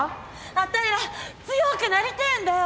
あたいら強くなりてえんだよ！